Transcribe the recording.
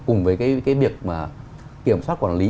cùng với cái việc kiểm soát quản lý